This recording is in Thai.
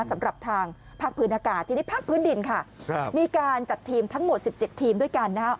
สำหรับทางภาคพื้นอากาศทีนี้ภาคพื้นดินค่ะมีการจัดทีมทั้งหมด๑๗ทีมด้วยกันนะครับ